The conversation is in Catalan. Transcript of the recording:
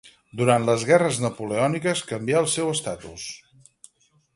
Durant les Guerres Napoleòniques canvià el seu estatus.